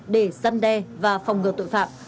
để săn đe và phòng ngừa tội phạm